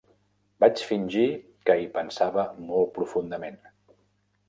Vaig fingir que hi pensava molt profundament.